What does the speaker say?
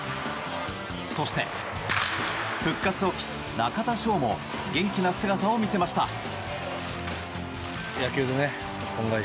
そして、復活を期す中田翔も元気な姿を見せました。